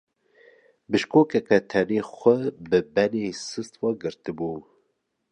Bişkokeke tenê xwe bi benê sist ve girtibû.